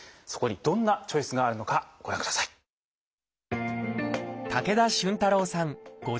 そこにどんなチョイスがあるのかご覧ください。